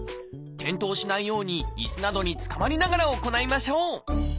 転倒しないようにいすなどにつかまりながら行いましょう。